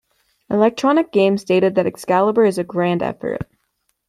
"Electronic Games" stated that "Excalibur" is a grand effort".